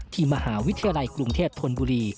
มหาวิทยาลัยกรุงเทพธนบุรี